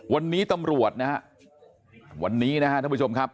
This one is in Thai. วันนี้ตำรวจนะฮะวันนี้นะฮะท่านผู้ชมครับ